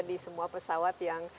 di semua pesawat yang